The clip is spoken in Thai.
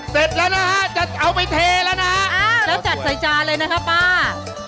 เสร็จแล้วนะฮะจะเอาไปเทแล้วนะแล้วจัดใส่จานเลยนะครับป้า